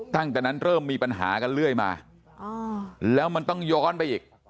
ตั้งแต่นั้นเริ่มมีปัญหากันเรื่อยมาแล้วมันต้องย้อนไปอีก